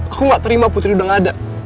aku gak terima putri udah ngada